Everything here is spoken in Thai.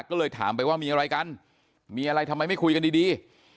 ก็เลยถามไปว่ามีอะไรกันมีอะไรทำไมไม่คุยกันดี